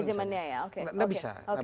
sebenarnya jaman nya ya